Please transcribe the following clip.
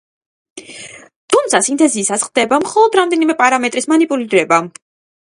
თუმცა სინთეზისას ხდება მხოლოდ რამდენიმე პარამეტრის მანიპულირება.